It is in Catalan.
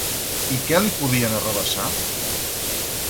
I què li podien arrabassar?